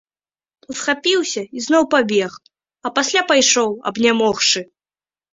Усхапіўся і зноў пабег, а пасля пайшоў, абнямогшы.